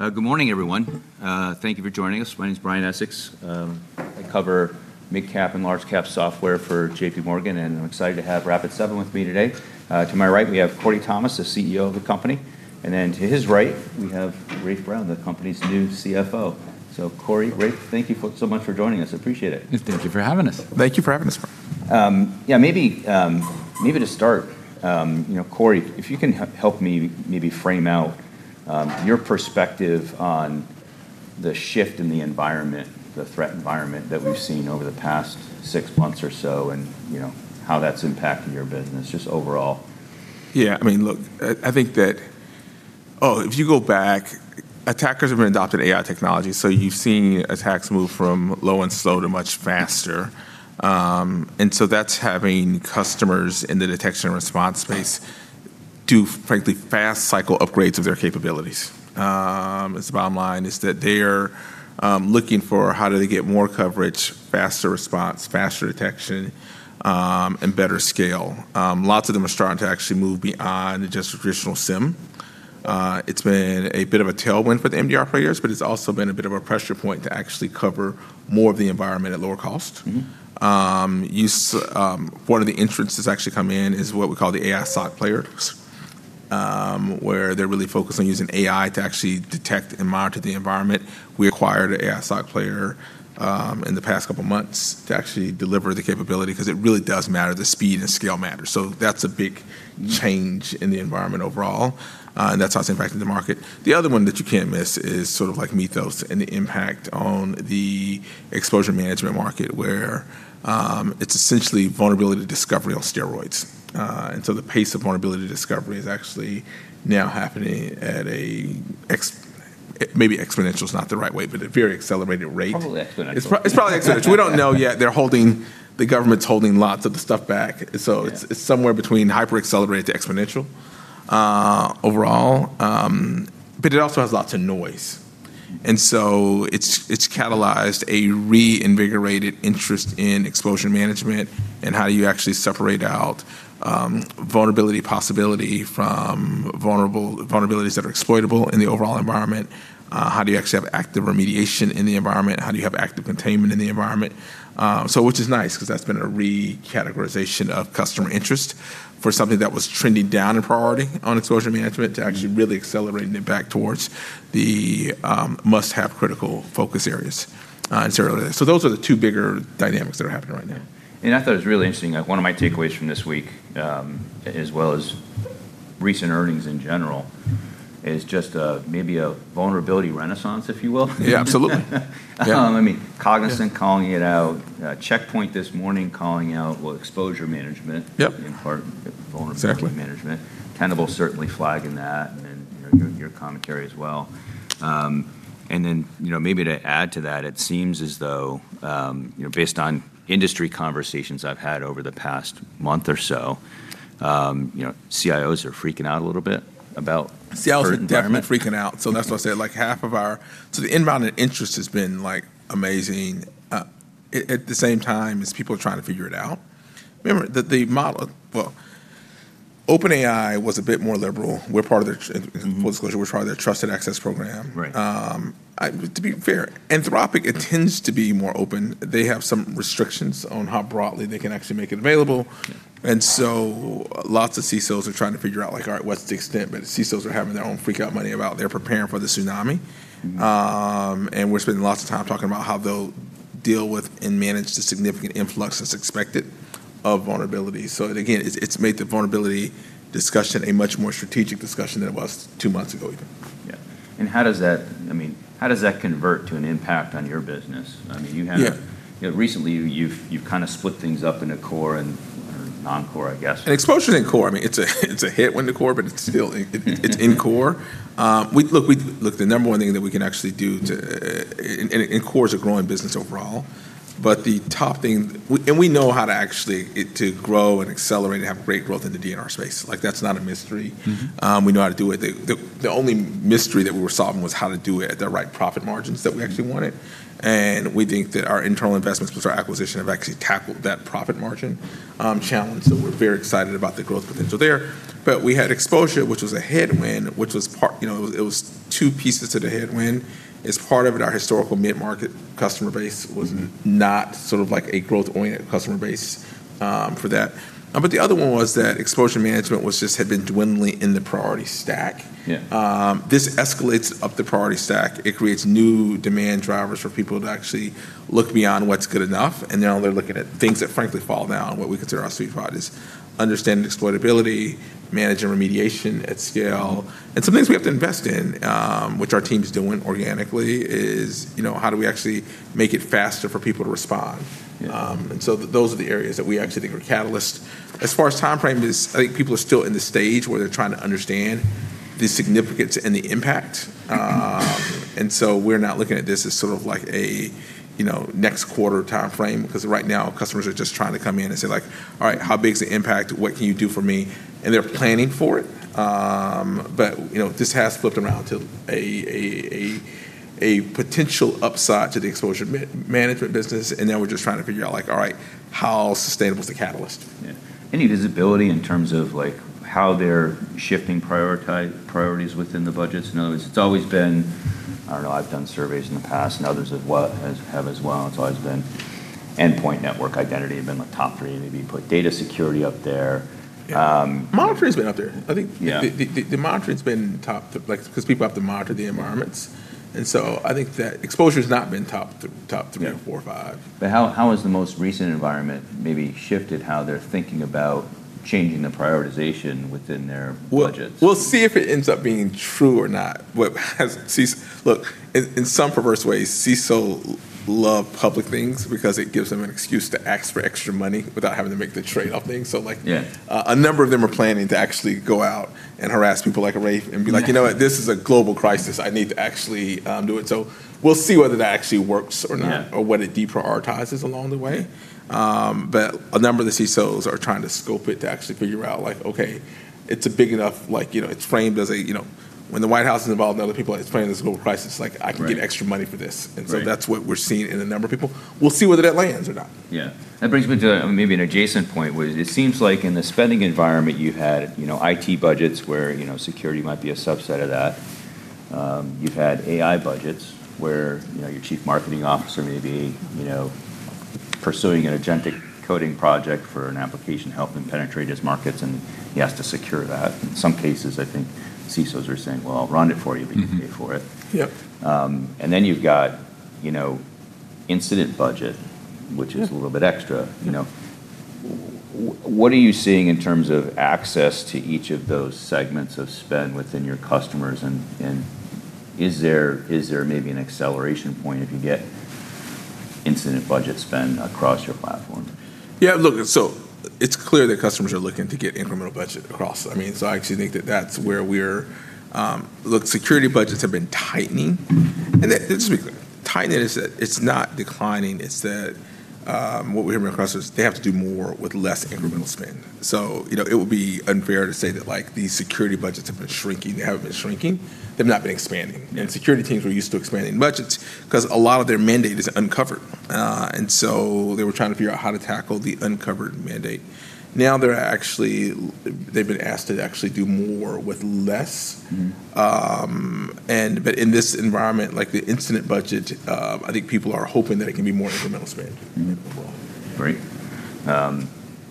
Good morning, everyone. Thank you for joining us. My name is Brian Essex. I cover mid-cap and large-cap software for JPMorgan, and I'm excited to have Rapid7 with me today. To my right, we have Corey Thomas, the CEO of the company, and then to his right, we have Rafe Brown, the company's new CFO. Corey, Rafe, thank you so much for joining us. Appreciate it. Thank you for having us. Thank you for having us. Yeah. Maybe to start, Corey, if you can help me maybe frame out your perspective on the shift in the environment, the threat environment that we've seen over the past six months or so, and how that's impacting your business just overall? Yeah, look, I think that, if you go back, attackers have been adopting AI technology. You've seen attacks move from low and slow to much faster. That's having customers in the detection and response space do, frankly, fast cycle upgrades of their capabilities. It's the bottom line is that they're looking for how do they get more coverage, faster response, faster detection, and better scale. Lots of them are starting to actually move beyond just traditional SIEM. It's been a bit of a tailwind for the MDR players, but it's also been a bit of a pressure point to actually cover more of the environment at lower cost. One of the entrances actually come in is what we call the AI SOC players, where they're really focused on using AI to actually detect and monitor the environment. We acquired an AI SOC player in the past couple of months to actually deliver the capability, because it really does matter, the speed and scale matters. That's a big change in the environment overall. That's how it's impacting the market. The other one that you can't miss is sort of like Mythos and the impact on the exposure management market, where it's essentially vulnerability discovery on steroids. The pace of vulnerability discovery is actually now happening at a, maybe exponential is not the right way, but a very accelerated rate. Probably exponential. It's probably exponential. We don't know yet. The government's holding lots of the stuff back. Yeah. It's somewhere between hyper-accelerated to exponential overall. It also has lots of noise. It's catalyzed a reinvigorated interest in exposure management and how you actually separate out vulnerability possibility from vulnerabilities that are exploitable in the overall environment. How do you actually have active remediation in the environment? How do you have active containment in the environment? Which is nice because that's been a re-categorization of customer interest for something that was trending down in priority on exposure management to actually really accelerating it back towards the must-have critical focus areas necessarily. Those are the two bigger dynamics that are happening right now. I thought it was really interesting, one of my takeaways from this week, as well as recent earnings in general, is just maybe a vulnerability renaissance, if you will. Yeah. Absolutely. I mean, Cognizant calling it out, Check Point this morning calling out, well, exposure management. Yep in part vulnerability management. Exactly. Tenable certainly flagging that. Your commentary as well. Maybe to add to that, it seems as though, based on industry conversations I've had over the past month or so, CIOs are freaking out a little bit about- CIOs are definitely freaking out. current environment. That's why I said like the inbound and interest has been amazing, at the same time as people are trying to figure it out. Remember, the model, well, OpenAI was a bit more liberal. We're part of their disclosure, we're part of their trusted access program. Right. To be fair, Anthropic tends to be more open. They have some restrictions on how broadly they can actually make it available. Yeah. Lots of CSOs are trying to figure out, like, "All right, what's the extent?" CSOs are having their own freak out money about they're preparing for the tsunami. We're spending lots of time talking about how they'll deal with and manage the significant influx that's expected of vulnerabilities. Again, it's made the vulnerability discussion a much more strategic discussion than it was two months ago, even. Yeah. How does that convert to an impact on your business? I mean. Yeah Recently you've split things up into core and non-core, I guess. Exposure and core, I mean, it's a hit when the core. It's still, it's in core. Core is a growing business overall. The top thing we know how to actually grow and accelerate and have great growth in the DNR space. Like, that's not a mystery. We know how to do it. The only mystery that we were solving was how to do it at the right profit margins that we actually wanted. We think that our internal investments with our acquisition have actually tackled that profit margin challenge. We're very excited about the growth potential there. We had exposure, which was a headwind, which was two pieces to the headwind. As part of it, our historical mid-market customer base was not sort of like a growth-oriented customer base for that. The other one was that exposure management just had been dwindling in the priority stack. Yeah. This escalates up the priority stack. It creates new demand drivers for people to actually look beyond what's good enough. Now they're looking at things that frankly fall down what we consider our sweet spot is understanding exploitability, managing remediation at scale, and some things we have to invest in, which our team's doing organically, is how do we actually make it faster for people to respond? Yeah. Those are the areas that we actually think are catalysts. As far as timeframe is, I think people are still in the stage where they're trying to understand the significance and the impact. We're not looking at this as sort of like a next quarter timeframe, because right now customers are just trying to come in and say, like, "All right, how big is the impact? What can you do for me?" They're planning for it. This has flipped around to a potential upside to the exposure management business, and then we're just trying to figure out, all right, how sustainable is the catalyst? Yeah. Any visibility in terms of how they're shifting priorities within the budgets? I know it's always been, I don't know, I've done surveys in the past and others have as well, and it's always been endpoint network identity have been the top three. Maybe you put data security up there. Yeah. Monitoring's been up there. Yeah. I think the monitoring's been top, because people have to monitor the environments, I think that exposure's not been top three or four or five. How has the most recent environment maybe shifted how they're thinking about changing the prioritization within their budgets? We'll see if it ends up being true or not. Look, in some perverse ways, CISO love public things because it gives them an excuse to ask for extra money without having to make the trade-off things. Yeah. A number of them are planning to actually go out and harass people like Rafe and be like. Yeah. You know what? This is a global crisis. I need to actually do it. We'll see whether that actually works or not. Yeah. or what it deprioritizes along the way. A number of the CISOs are trying to scope it to actually figure out, like, okay, when the White House is involved and other people, it's framed as a global crisis. Right I can get extra money for this. Right. That's what we're seeing in a number of people. We'll see whether that lands or not. That brings me to maybe an adjacent point, where it seems like in the spending environment you've had IT budgets where security might be a subset of that. You've had AI budgets where your chief marketing officer may be pursuing an agentic coding project for an application to help him penetrate his markets, and he has to secure that. In some cases, I think CISOs are saying, "Well, I'll run it for you, but you pay for it. Yep. You've got incident budget. Yeah which is a little bit extra. What are you seeing in terms of access to each of those segments of spend within your customers, and is there maybe an acceleration point if you get incident budget spend across your platforms? It's clear that customers are looking to get incremental budget across. I actually think that that's where. Look, security budgets have been tightening, and just to be clear, tightening is it's not declining. It's that what we hear across is they have to do more with less incremental spend. It would be unfair to say that these security budgets have been shrinking. They haven't been shrinking. They've not been expanding. Yeah. Security teams, we're used to expanding budgets because a lot of their mandate is uncovered. They were trying to figure out how to tackle the uncovered mandate. Now they've been asked to actually do more with less. In this environment, the incident budget, I think people are hoping that it can be more incremental spend. Right.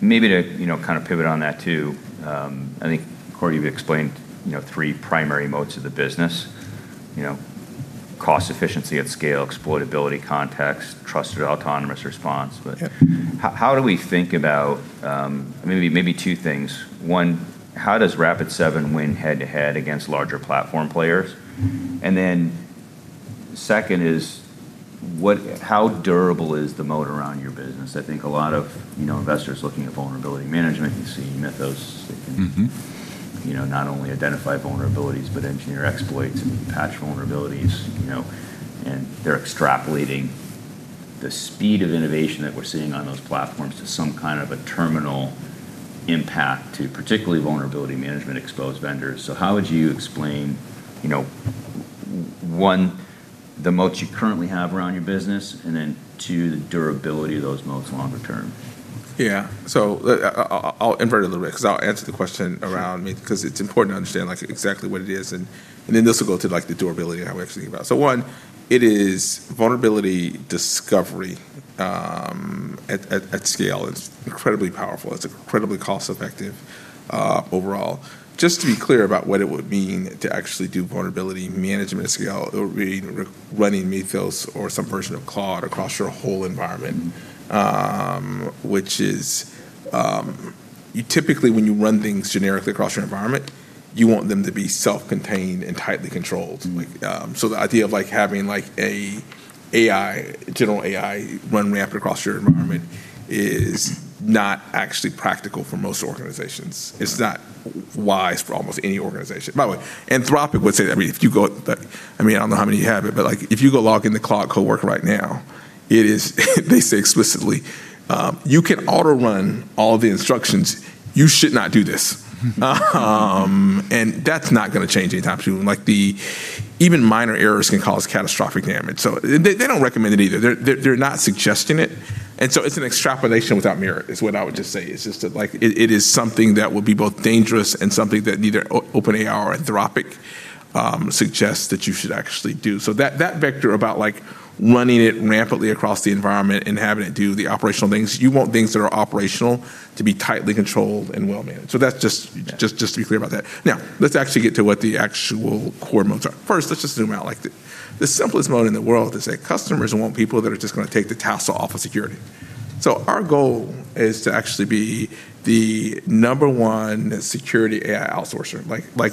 Maybe to kind of pivot on that, too, I think, Corey, you explained three primary modes of the business. Cost efficiency at scale, exploitability context, trusted autonomous response. Yeah. How do we think about, maybe two things. One, how does Rapid7 win head-to-head against larger platform players? Second is how durable is the moat around your business? I think a lot of investors looking at vulnerability management and seeing that those. can not only identify vulnerabilities but engineer exploits and patch vulnerabilities. They're extrapolating the speed of innovation that we're seeing on those platforms to some kind of a terminal impact to particularly vulnerability management exposed vendors. How would you explain, one, the moats you currently have around your business, and then two, the durability of those moats longer term? Yeah. I'll invert it a little bit because I'll answer the question around. Sure. Me, because it's important to understand exactly what it is, and then this will go to the durability and how we actually think about it. One, it is vulnerability discovery at scale. It's incredibly powerful. It's incredibly cost-effective, overall. Just to be clear about what it would mean to actually do vulnerability management at scale, it would mean running Mythos or some version of Claude across your whole environment. Typically, when you run things generically across your environment, you want them to be self-contained and tightly controlled. The idea of having a general AI run rampant across your environment is not actually practical for most organizations. Right. It's not wise for almost any organization. By the way, Anthropic would say that, I mean, I don't know how many have it, but if you go log into Claude Coworker right now, they say explicitly, "You can autorun all the instructions. You should not do this." That's not going to change anytime soon. Even minor errors can cause catastrophic damage. They don't recommend it either. They're not suggesting it's an extrapolation without mirror is what I would just say. It is something that would be both dangerous and something that neither OpenAI or Anthropic suggest that you should actually do. That vector about running it rampantly across the environment and having it do the operational things, you want things that are operational to be tightly controlled and well-managed. That's just to be clear about that. Let's actually get to what the actual core modes are. Let's just zoom out. The simplest mode in the world is that customers want people that are just going to take the tassel off of security. Our goal is to actually be the number one security AI outsourcer.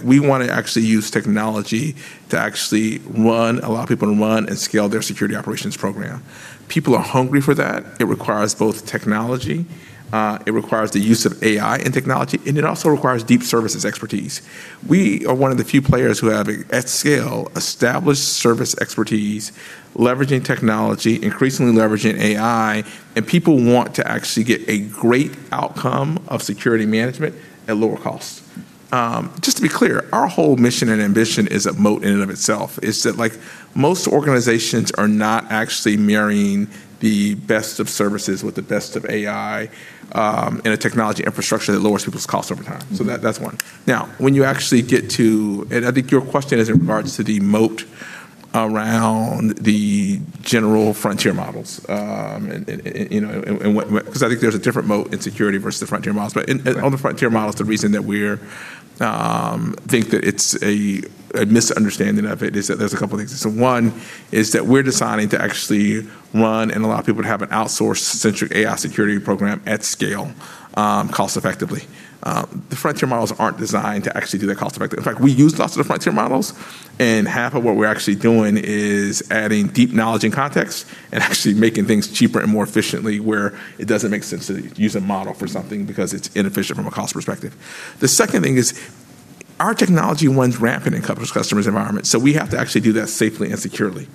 We want to actually use technology to actually allow people to run and scale their security operations program. People are hungry for that. It requires both technology, it requires the use of AI and technology, and it also requires deep services expertise. We are one of the few players who have, at scale, established service expertise, leveraging technology, increasingly leveraging AI, and people want to actually get a great outcome of security management at lower cost. Just to be clear, our whole mission and ambition is a moat in and of itself. It's that most organizations are not actually marrying the best of services with the best of AI in a technology infrastructure that lowers people's costs over time. That's one. Now, when you actually get to, and I think your question as it regards to the moat around the general frontier models, because I think there's a different moat in security versus the frontier models. On the frontier models, the reason that we think that it's a misunderstanding of it is that there's a couple of things. One is that we're deciding to actually run and allow people to have an outsourced centric AI security program at scale, cost-effectively. The frontier models aren't designed to actually do that cost-effective. In fact, we use lots of the frontier models, and half of what we're actually doing is adding deep knowledge and context and actually making things cheaper and more efficiently where it doesn't make sense to use a model for something because it's inefficient from a cost perspective. The second thing is our technology runs rampant in customers' environments, we have to actually do that safely and securely.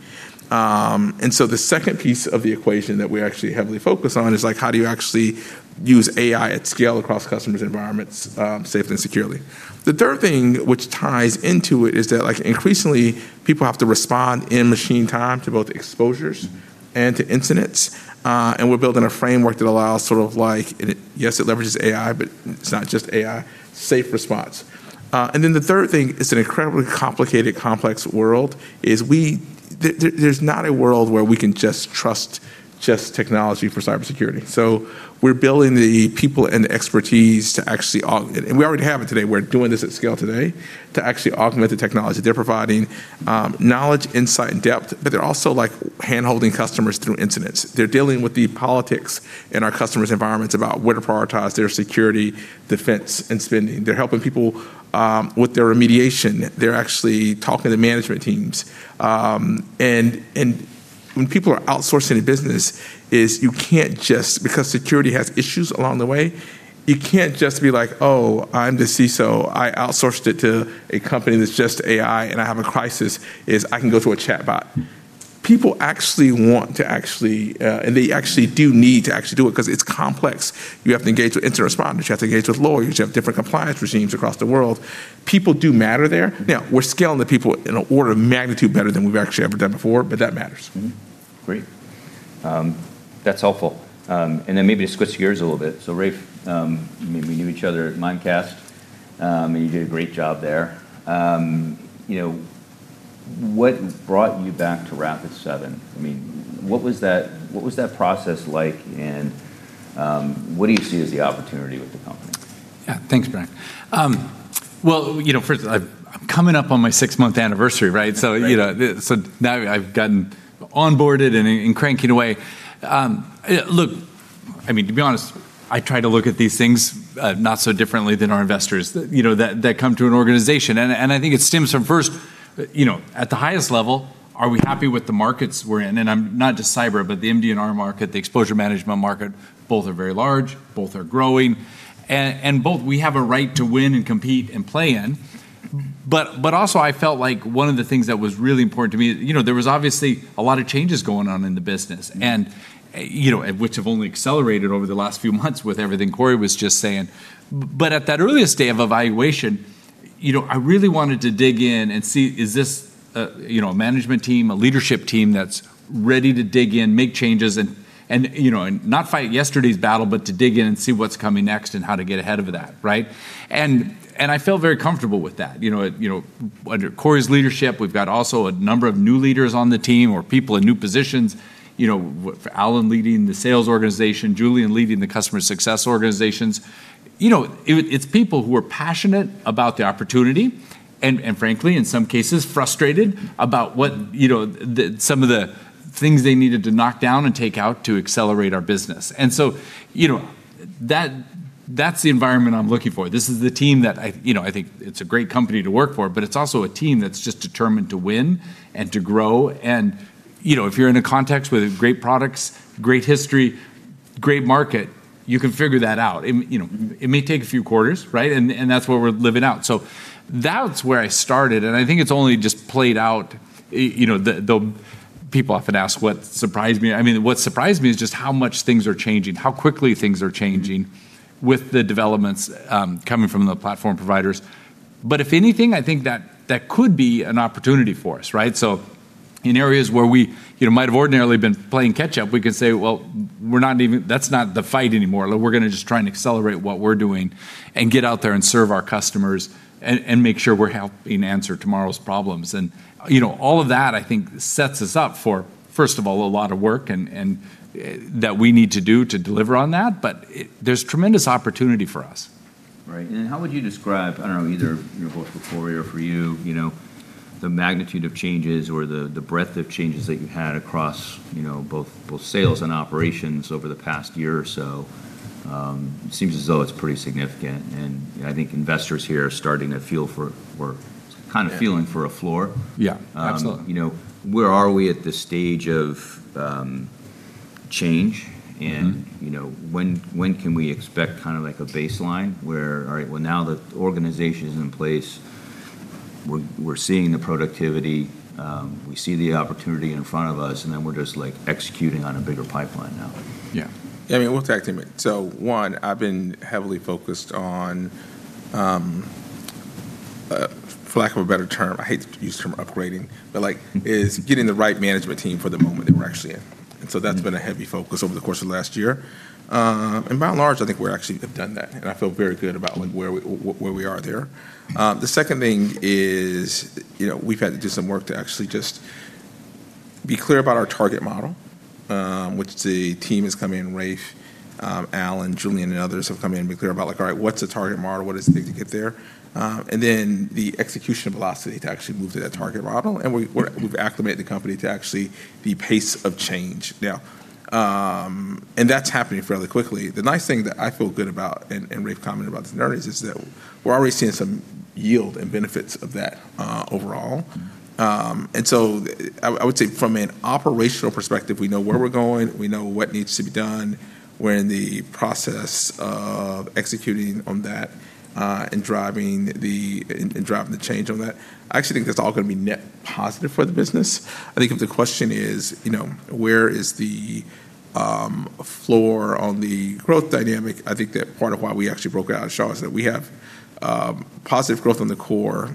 The second piece of the equation that we actually heavily focus on is, how do you actually use AI at scale across customers' environments safely and securely? The third thing which ties into it is that increasingly, people have to respond in machine time to both exposures and to incidents. We're building a framework that allows sort of like, yes, it leverages AI, but it's not just AI, safe response. The third thing, it's an incredibly complicated, complex world, is there's not a world where we can just trust just technology for cybersecurity. We're building the people and the expertise to actually, and we already have it today, we're doing this at scale today, to actually augment the technology. They're providing knowledge, insight, and depth, but they're also hand-holding customers through incidents. They're dealing with the politics in our customers' environments about where to prioritize their security, defense, and spending. They're helping people with their remediation. They're actually talking to management teams. When people are outsourcing a business, because security has issues along the way, you can't just be like, "Oh, I'm the CISO. I outsourced it to a company that's just AI, and I have a crisis, is I can go through a chatbot." People actually want to actually, and they actually do need to actually do it because it's complex. You have to engage with incident responders. You have to engage with lawyers. You have different compliance regimes across the world. People do matter there. We're scaling the people in an order of magnitude better than we've actually ever done before, but that matters. Great. That's helpful. Maybe to switch gears a little bit. Rafe, we knew each other at Mimecast, and you did a great job there. What brought you back to Rapid7? What was that process like, and what do you see as the opportunity with the company? Thanks, Brian. First, I'm coming up on my 6-month anniversary, right? Now I've gotten onboarded and cranking away. To be honest, I try to look at these things not so differently than our investors that come to an organization. I think it stems from first, at the highest level, are we happy with the markets we're in? Not just cyber, but the MDR market, the exposure management market, both are very large, both are growing, and both we have a right to win and compete and play in. Also, I felt like one of the things that was really important to me, there was obviously a lot of changes going on in the business, which have only accelerated over the last few months with everything Corey was just saying. At that earliest stage of evaluation, I really wanted to dig in and see, is this a management team, a leadership team that's ready to dig in, make changes, and not fight yesterday's battle, but to dig in and see what's coming next and how to get ahead of that, right? I feel very comfortable with that. Under Corey's leadership, we've got also a number of new leaders on the team or people in new positions. Alan leading the sales organization, Julian leading the customer success organizations. It's people who are passionate about the opportunity, and frankly, in some cases, frustrated about some of the things they needed to knock down and take out to accelerate our business. That's the environment I'm looking for. This is the team that I think it's a great company to work for, but it's also a team that's just determined to win and to grow, and if you're in a context with great products, great history, great market, you can figure that out. It may take a few quarters, right? That's what we're living out. That's where I started, and I think it's only just played out. People often ask what surprised me. What surprised me is just how much things are changing, how quickly things are changing with the developments coming from the platform providers. If anything, I think that could be an opportunity for us, right? In areas where we might have ordinarily been playing catch up, we can say, "Well, that's not the fight anymore. Look, we're going to just try and accelerate what we're doing and get out there and serve our customers and make sure we're helping answer tomorrow's problems. All of that, I think, sets us up for, first of all, a lot of work that we need to do to deliver on that, but there's tremendous opportunity for us. Right. How would you describe, I don't know, either both for Corey or for you, the magnitude of changes or the breadth of changes that you've had across both sales and operations over the past year or so? It seems as though it's pretty significant, and I think investors here are starting to kind of feeling for a floor. Yeah. Absolutely. Where are we at this stage of change, when can we expect kind of like a baseline where, all right, well, now the organization is in place, we're seeing the productivity, we see the opportunity in front of us, we're just executing on a bigger pipeline now? Yeah. Yeah, we'll tag team it. One, I've been heavily focused on, for lack of a better term, I hate to use the term upgrading, but is getting the right management team for the moment that we're actually in. That's been a heavy focus over the course of last year. By and large, I think we actually have done that, and I feel very good about where we are there. The second thing is we've had to do some work to actually just be clear about our target model, which the team is coming in, Rafe, Alan, Julian, and others have come in and been clear about like, "All right, what's the target model? What does it take to get there?" The execution velocity to actually move to that target model, and we've acclimated the company to actually the pace of change now. That's happening fairly quickly. The nice thing that I feel good about, and Rafe commented about this earlier, is that we're already seeing some yield and benefits of that overall. I would say from an operational perspective, we know where we're going, we know what needs to be done. We're in the process of executing on that, and driving the change on that. I actually think that's all going to be net positive for the business. I think if the question is, where is the floor on the growth dynamic, I think that part of why we actually broke out [Asha] is that we have positive growth on the core,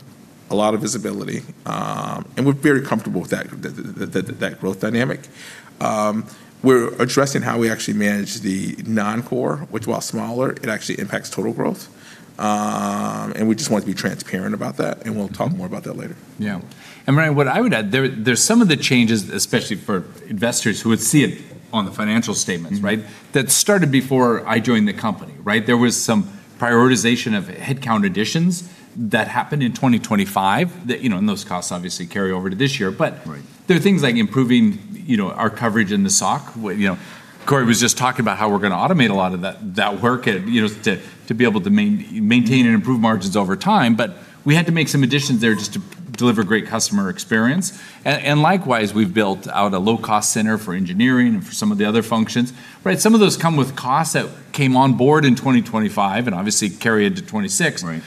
a lot of visibility, and we're very comfortable with that growth dynamic. We're addressing how we actually manage the non-core, which, while smaller, it actually impacts total growth. We just wanted to be transparent about that, and we'll talk more about that later. Yeah. Brian, what I would add, there's some of the changes, especially for investors who would see it on the financial statements, right? That started before I joined the company. There was some prioritization of headcount additions that happened in 2025, and those costs obviously carry over to this year. Right There are things like improving our coverage in the SOC. Corey was just talking about how we're going to automate a lot of that work to be able to maintain and improve margins over time. We had to make some additions there just to deliver great customer experience. Likewise, we've built out a low-cost center for engineering and for some of the other functions. Some of those come with costs that came on board in 2025 and obviously carry into 2026. Right.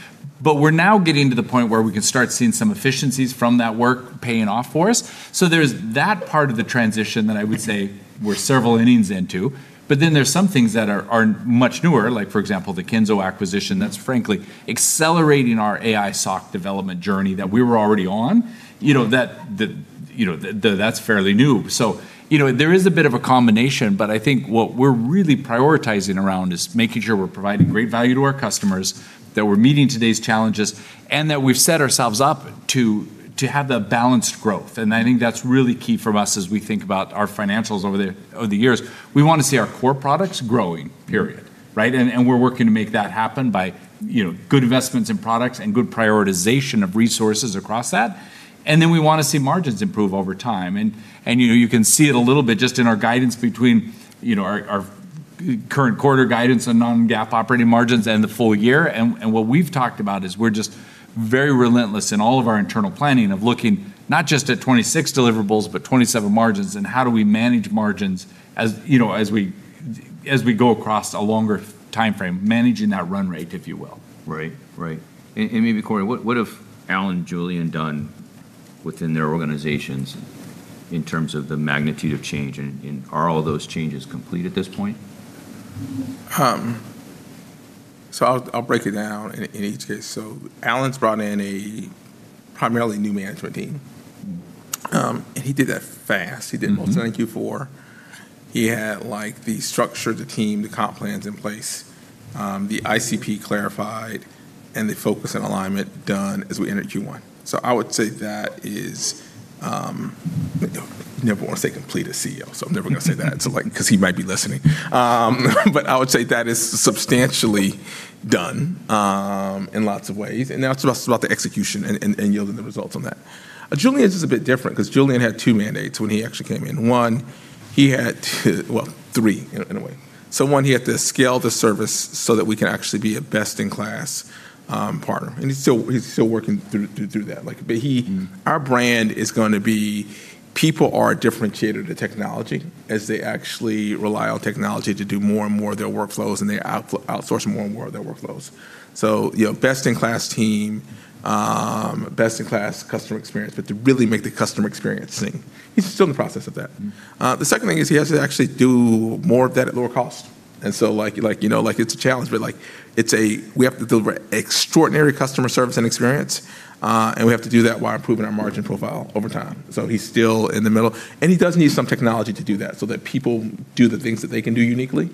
We're now getting to the point where we can start seeing some efficiencies from that work paying off for us. There's that part of the transition that I would say we're several innings into, but then there's some things that are much newer, like for example, the Kenso acquisition, that's frankly accelerating our AI SOC development journey that we were already on. That's fairly new. There is a bit of a combination, but I think what we're really prioritizing around is making sure we're providing great value to our customers, that we're meeting today's challenges, and that we've set ourselves up to have that balanced growth. I think that's really key for us as we think about our financials over the years. We want to see our core products growing, period. We're working to make that happen by good investments in products and good prioritization of resources across that. We want to see margins improve over time. You can see it a little bit just in our guidance between our current quarter guidance and non-GAAP operating margins and the full year. What we've talked about is we're just very relentless in all of our internal planning of looking not just at 2026 deliverables, but 2027 margins and how do we manage margins as we go across a longer timeframe, managing that run rate, if you will. Right. Maybe Corey, what have Alan, Julian done within their organizations in terms of the magnitude of change, and are all those changes complete at this point? I'll break it down in each case. Alan's brought in a primarily new management team. He did that fast. He did most of that in Q4. He had the structure, the team, the comp plans in place, the ICP clarified, and the focus and alignment done as we entered Q1. I would say that is Never want to say complete a CEO, so I'm never going to say that because he might be listening. I would say that is substantially done in lots of ways, and now it's about the execution and yielding the results on that. Julian's is a bit different because Julian had two mandates when he actually came in. One, he had, well, three in a way. One, he had to scale the service so that we can actually be a best-in-class partner, and he's still working through that. Our brand is going to be, people are differentiated to technology as they actually rely on technology to do more and more of their workflows, and they outsource more and more of their workflows. Best-in-class team, best-in-class customer experience, but to really make the customer experience sing. He's still in the process of that. The second thing is he has to actually do more of that at lower cost. It's a challenge, but we have to deliver extraordinary customer service and experience, and we have to do that while improving our margin profile over time. He's still in the middle, and he does need some technology to do that, so that people do the things that they can do uniquely.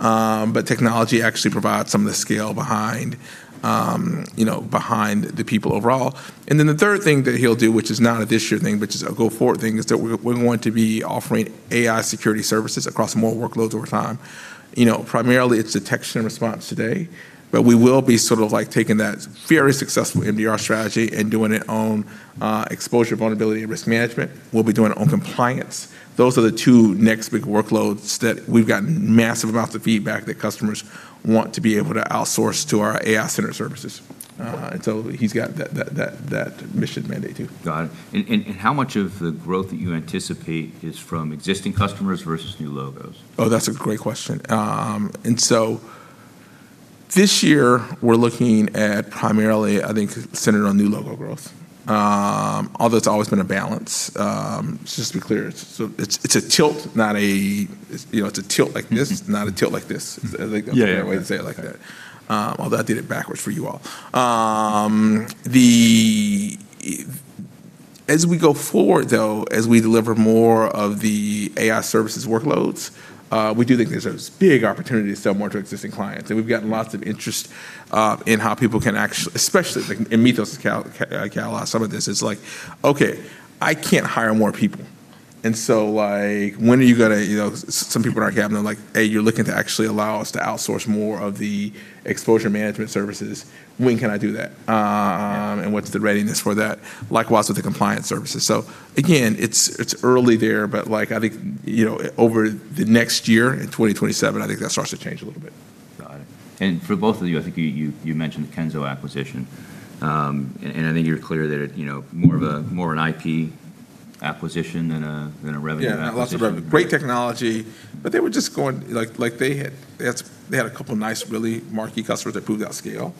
Technology actually provides some of the scale behind the people overall. The third thing that he'll do, which is not a this year thing, but just a go forward thing, is that we're going to be offering AI security services across more workloads over time. Primarily, it's detection and response today, but we will be taking that very successful MDR strategy and doing it on exposure, vulnerability, and risk management. We'll be doing it on compliance. Those are the two next big workloads that we've gotten massive amounts of feedback that customers want to be able to outsource to our AI center services. He's got that mission mandate too. Got it. How much of the growth that you anticipate is from existing customers versus new logos? Oh, that's a great question. This year we're looking at primarily, I think, centered on new logo growth. Although it's always been a balance, just to be clear, it's a tilt like this, not a tilt like this. Yeah. Is there a better way to say it like that? Although I did it backwards for you all. As we go forward, though, as we deliver more of the AI services workloads, we do think there's a big opportunity to sell more to existing clients. We've gotten lots of interest in how people can actually, especially in Mythos account. Some of this is like, "Okay, I can't hire more people." Some people in our cabinet are like, "Hey, you're looking to actually allow us to outsource more of the exposure management services. When can I do that? What's the readiness for that?" Likewise with the compliance services. Again, it's early there, but I think, over the next year in 2027, I think that starts to change a little bit. Got it. For both of you, I think you mentioned the Kenzo acquisition. I think you're clear that it's more of an IP acquisition than a revenue acquisition. Yeah, not lots of revenue. Great technology, they had a couple of nice, really marquee customers that proved out scale.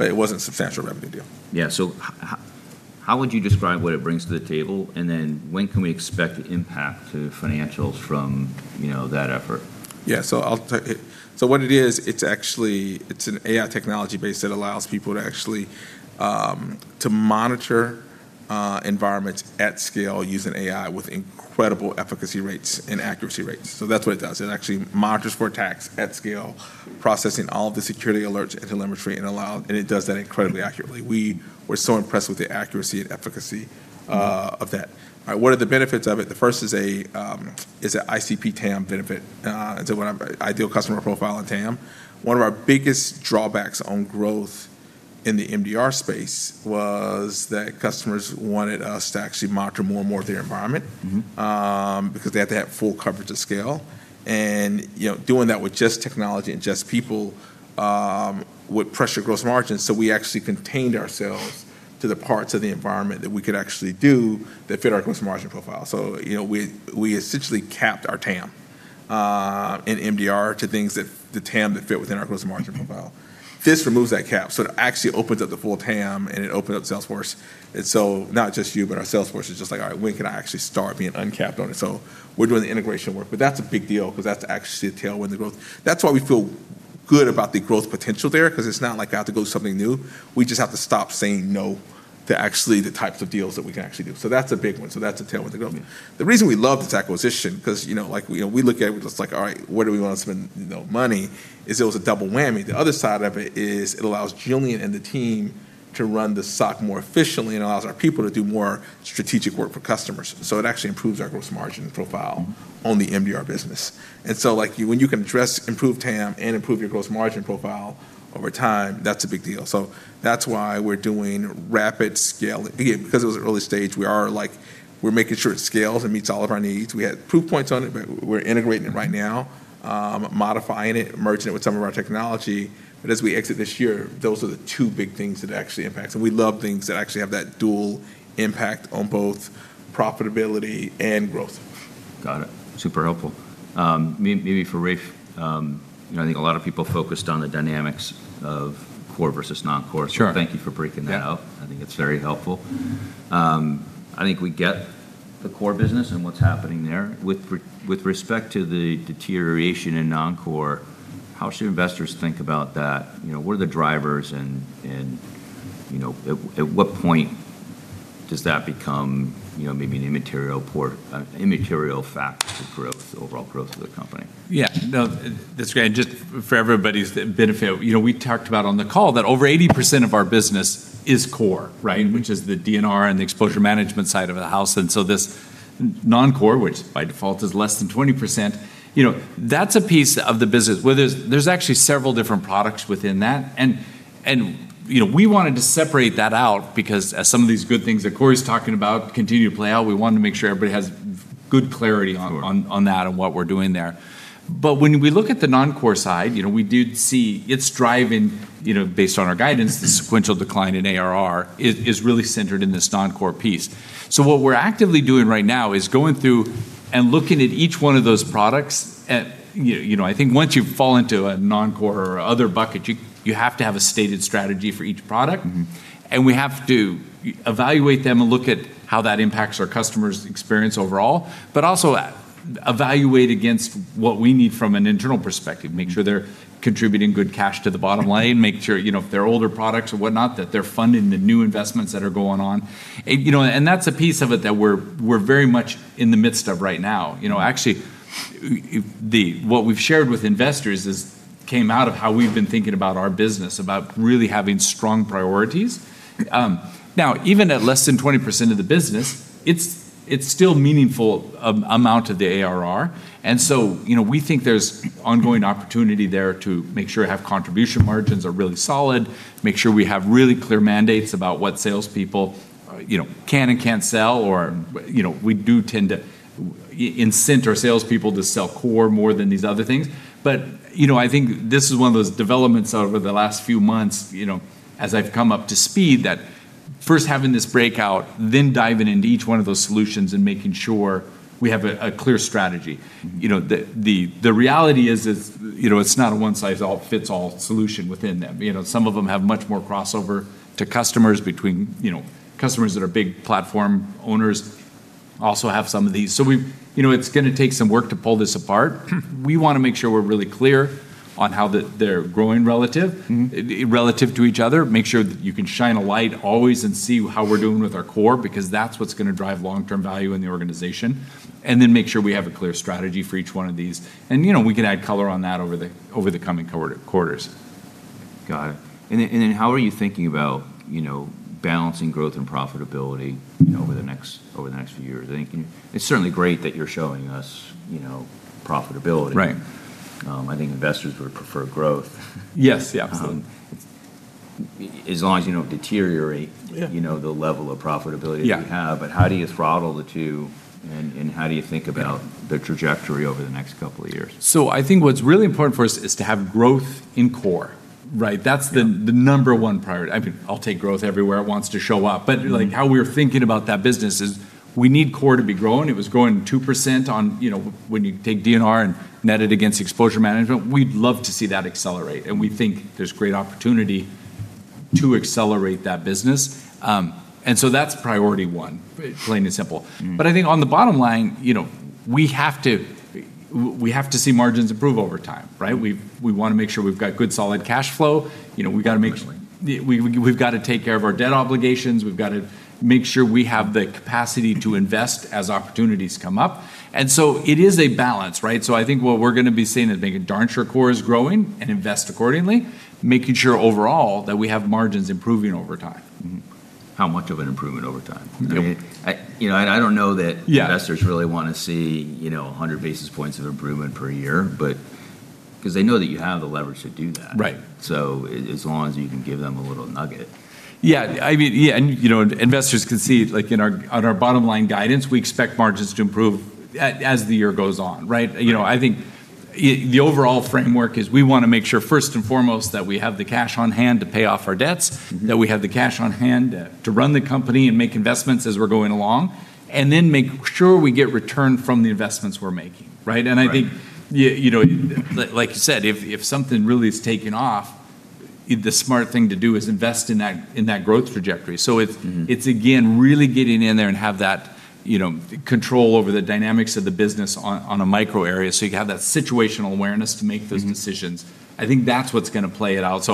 It wasn't a substantial revenue deal. Yeah, how would you describe what it brings to the table, and then when can we expect impact to financials from that effort? Yeah, so what it is, it's an AI technology base that allows people to actually monitor environments at scale using AI with incredible efficacy rates and accuracy rates. That's what it does. It actually monitors for attacks at scale, processing all of the security alerts and telemetry, and it does that incredibly accurately. We were so impressed with the accuracy and efficacy of that. What are the benefits of it? The first is a ICP TAM benefit. It's an Ideal Customer Profile in TAM. One of our biggest drawbacks on growth in the MDR space was that customers wanted us to actually monitor more and more of their environment- They had to have full coverage of scale. Doing that with just technology and just people would pressure gross margins. We actually contained ourselves to the parts of the environment that we could actually do that fit our gross margin profile. We essentially capped our TAM in MDR to things that the TAM that fit within our gross margin profile. This removes that cap, so it actually opens up the full TAM, and it opened up Salesforce. Not just you, but our Salesforce is just like, "All right, when can I actually start being uncapped on it?" We're doing the integration work, but that's a big deal because that's actually a tailwind of growth. That's why we feel good about the growth potential there, because it's not like I have to go something new. We just have to stop saying no to actually the types of deals that we can actually do. That's a big one. That's a tailwind of growth. The reason we love this acquisition, because we look at it, and we're just like, "All right, where do we want to spend money?" Is it was a double whammy. The other side of it is it allows Julian and the team to run the SOC more efficiently, and it allows our people to do more strategic work for customers. It actually improves our gross margin profile on the MDR business. When you can improve TAM and improve your gross margin profile over time, that's a big deal. That's why we're doing rapid scale. Again, because it was early stage, we're making sure it scales and meets all of our needs. We had proof points on it, but we're integrating it right now, modifying it, merging it with some of our technology. As we exit this year, those are the two big things that actually impacts. We love things that actually have that dual impact on both profitability and growth. Got it. Super helpful. Maybe for Rafe, I think a lot of people focused on the dynamics of core versus non-core. Sure. Thank you for breaking that out. Yeah. I think it's very helpful. I think we get the core business and what's happening there. With respect to the deterioration in non-core, how should investors think about that? What are the drivers, and at what point does that become maybe an immaterial factor to overall growth of the company? Yeah. No, that's great. Just for everybody's benefit, we talked about on the call that over 80% of our business is core, right, which is the DNR and the exposure management side of the house. This non-core, which by default is less than 20%, that's a piece of the business where there's actually several different products within that. We wanted to separate that out because as some of these good things that Corey's talking about continue to play out, we wanted to make sure everybody has good clarity- Sure on that and what we're doing there. When we look at the non-core side, we do see it's driving, based on our guidance, the sequential decline in ARR is really centered in this non-core piece. What we're actively doing right now is going through and looking at each one of those products. I think once you fall into a non-core or other bucket, you have to have a stated strategy for each product. We have to evaluate them and look at how that impacts our customers' experience overall, but also evaluate against what we need from an internal perspective. Make sure they're contributing good cash to the bottom line, make sure if they're older products or whatnot, that they're funding the new investments that are going on. That's a piece of it that we're very much in the midst of right now. Actually, what we've shared with investors came out of how we've been thinking about our business, about really having strong priorities. Now, even at less than 20% of the business, it's still a meaningful amount of the ARR. We think there's ongoing opportunity there to make sure contribution margins are really solid, make sure we have really clear mandates about what salespeople can and can't sell. We do tend to incent our salespeople to sell core more than these other things. I think this is one of those developments over the last few months as I've come up to speed that. First, having this breakout, then diving into each one of those solutions and making sure we have a clear strategy. The reality is it's not a one-size-all-fits-all solution within them. Some of them have much more crossover to customers. Between customers that are big platform owners also have some of these. It's going to take some work to pull this apart. We want to make sure we're really clear on how they're growing relative. Relative to each other, make sure that you can shine a light always and see how we're doing with our core, because that's what's going to drive long-term value in the organization. Then make sure we have a clear strategy for each one of these. We can add color on that over the coming quarters. Got it. How are you thinking about balancing growth and profitability over the next few years? It's certainly great that you're showing us profitability. Right. I think investors would prefer growth. Yes. Yeah, absolutely. As long as you don't deteriorate. Yeah the level of profitability. Yeah that you have. How do you throttle the two, and how do you think about the trajectory over the next couple of years? I think what's really important for us is to have growth in core. That's the number one priority. I mean, I'll take growth everywhere it wants to show up, but how we are thinking about that business is we need core to be growing. It was growing 2% when you take DNR and net it against exposure management, we'd love to see that accelerate. We think there's great opportunity to accelerate that business. That's priority one, plain and simple. I think on the bottom line, we have to see margins improve over time. We want to make sure we've got good solid cash flow. Absolutely we've got to take care of our debt obligations. We've got to make sure we have the capacity to invest as opportunities come up. It is a balance. I think what we're going to be seeing is making darn sure core is growing, and invest accordingly, making sure overall that we have margins improving over time. How much of an improvement over time? Yep. And I don't know that- Yeah investors really want to see 100 basis points of improvement per year, but because they know that you have the leverage to do that. Right. As long as you can give them a little nugget. Yeah. Investors can see, like on our bottom line guidance, we expect margins to improve as the year goes on. Right. I think the overall framework is we want to make sure first and foremost that we have the cash on hand to pay off our debts. that we have the cash on hand to run the company and make investments as we're going along, and then make sure we get return from the investments we're making. Right. I think, like you said, if something really is taking off, the smart thing to do is invest in that growth trajectory. really getting in there and have that control over the dynamics of the business on a micro area, so you have that situational awareness to make those decisions. I think that's what's going to play it out.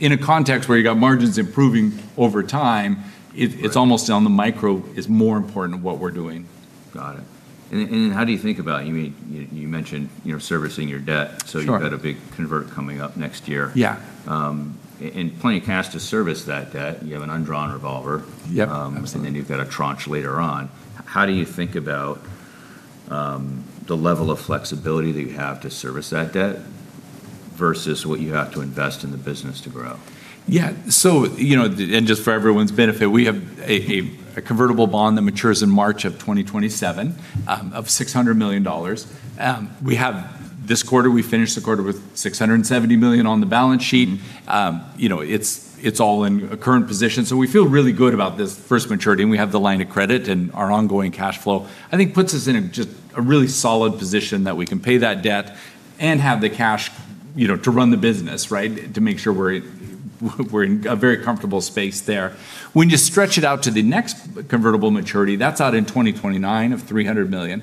In a context where you've got margins improving over time. Right Almost on the micro is more important than what we're doing. Got it. Then how do you think about, you mentioned servicing your debt? Sure You've got a big convert coming up next year. Yeah. Plenty of cash to service that debt. You have an undrawn revolver. Yep. Absolutely. You've got a tranche later on. How do you think about the level of flexibility that you have to service that debt versus what you have to invest in the business to grow? Yeah. Just for everyone's benefit, we have a convertible bond that matures in March of 2027, of $600 million. This quarter, we finished the quarter with $670 million on the balance sheet. It's all in a current position. We feel really good about this first maturity, and we have the line of credit, and our ongoing cash flow. I think puts us in a really solid position that we can pay that debt and have the cash to run the business. To make sure we're in a very comfortable space there. When you stretch it out to the next convertible maturity, that's out in 2029 of $300 million.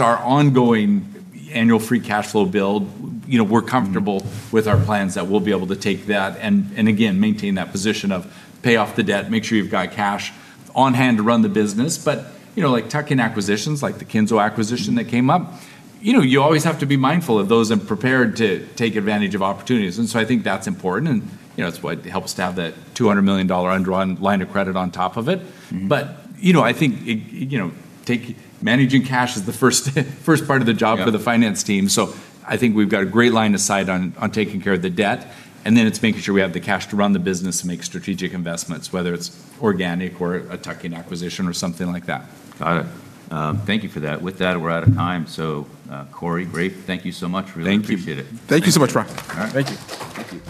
Our ongoing annual free cash flow build, we're comfortable with our plans that we'll be able to take that and again, maintain that position of pay off the debt, make sure you've got cash on hand to run the business. Tuck-in acquisitions like the Kenzo acquisition that came up, you always have to be mindful of those and prepared to take advantage of opportunities. I think that's important and it's why it helps to have that $200 million undrawn line of credit on top of it. I think managing cash is the first part of the job. Yeah for the finance team. I think we've got a great line of sight on taking care of the debt, and then it's making sure we have the cash to run the business and make strategic investments, whether it's organic or a tuck-in acquisition or something like that. Got it. Thank you for that. With that, we're out of time. Corey, great. Thank you so much. Thank you. Really appreciate it. Thank you so much, Brian. All right. Thank you. Thank you.